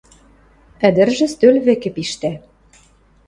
Ӹдӹржӹ стӧл вӹкӹ пиштӓ.